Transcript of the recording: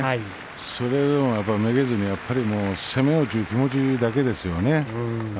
それでもめげずにやっぱり攻めようという気持ちだけですよね。